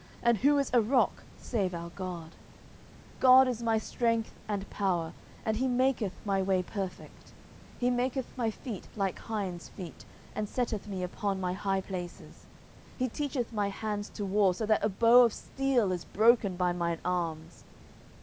and who is a rock, save our God? 10:022:033 God is my strength and power: and he maketh my way perfect. 10:022:034 He maketh my feet like hinds' feet: and setteth me upon my high places. 10:022:035 He teacheth my hands to war; so that a bow of steel is broken by mine arms.